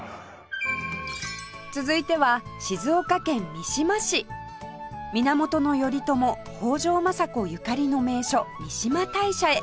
続いては静岡県三島市源頼朝北条政子ゆかりの名所三嶋大社へ